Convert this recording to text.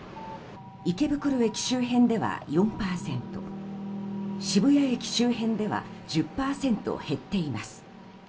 池袋駅周辺では４％渋谷駅周辺では１０％減っています。